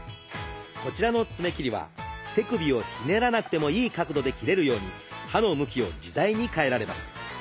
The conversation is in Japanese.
こちらの爪切りは手首をひねらなくてもいい角度で切れるように刃の向きを自在に変えられます。